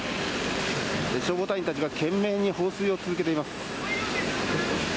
消防隊員たちが懸命に放水を続けています。